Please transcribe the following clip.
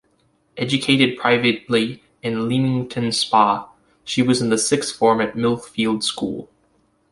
Educated privately in Leamington Spa, she was in the sixth form at Millfield School.